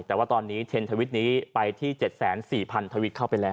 แต่ว่าตอนนี้เทรนด์ทวิตนี้ไปที่๗๔๐๐๐ทวิตเข้าไปแล้ว